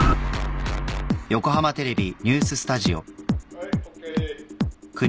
はいＯＫ。